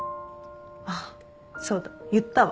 あっそうだ言ったわ。